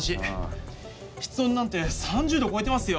室温なんて３０度超えてますよ。